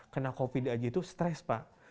kena covid sembilan belas aja itu stres pak